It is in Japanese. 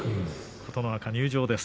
琴ノ若、入場です。